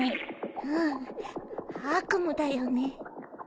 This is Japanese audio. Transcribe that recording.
うん悪夢だよね。